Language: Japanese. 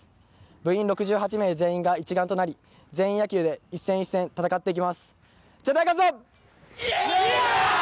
部員６８名全員が一丸となり全員野球で一戦一戦いえーい！